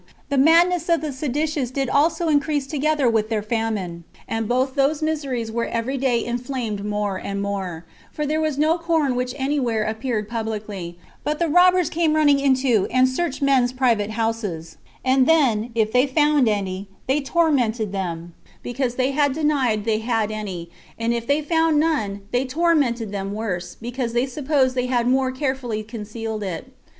The madness of the seditious did also increase together with their famine, and both those miseries were every day inflamed more and more; for there was no corn which any where appeared publicly, but the robbers came running into, and searched men's private houses; and then, if they found any, they tormented them, because they had denied they had any; and if they found none, they tormented them worse, because they supposed they had more carefully concealed it.